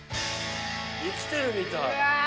生きてるみたい。